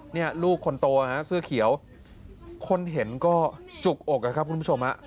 นี่ลูกคนโตฮะเสื้อเขียวคนเห็นก็จุกอกนะครับคุณผู้ชมฮะ